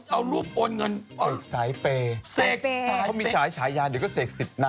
ทำไมเธอรู้นะบกกว่าอะไรล่ะ